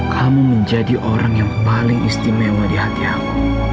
kamu menjadi orang yang paling istimewa di hati aku